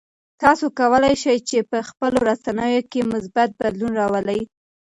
تاسو کولای شئ چې په خپلو رسنیو کې مثبت بدلون راولئ.